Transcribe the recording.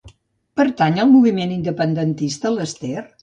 Pertany al moviment independentista l'Ester?